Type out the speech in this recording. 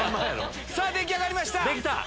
さぁ出来上がりました！